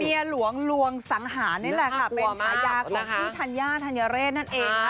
หลวงลวงสังหารนี่แหละค่ะเป็นฉายาของพี่ธัญญาธัญเรศนั่นเองนะ